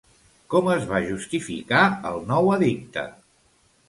Com es va justificar el nou edicte?